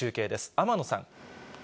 天野さん。